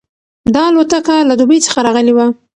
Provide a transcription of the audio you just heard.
دا الوتکه له دوبۍ څخه راغلې وه.